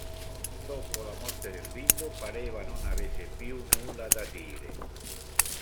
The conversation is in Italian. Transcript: Dopo la morte del bimbo pareva non avesse più nulla da dire.